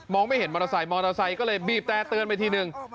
ไม่เห็นมอเตอร์ไซคมอเตอร์ไซค์ก็เลยบีบแต่เตือนไปทีนึง